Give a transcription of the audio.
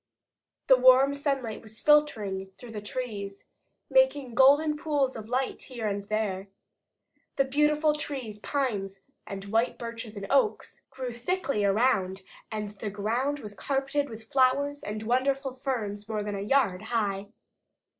The warm sunlight was filtering through the trees, making golden pools of light here and there. The beautiful trees, pines and white birches and oaks, grew thickly around and the ground was carpeted with flowers and wonderful ferns more than a yard high.